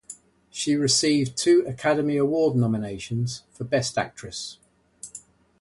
She received two Academy Award nominations for Best Actress.